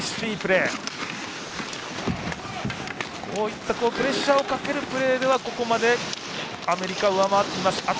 こういったプレッシャーをかけるプレーではここまでアメリカを上回っています。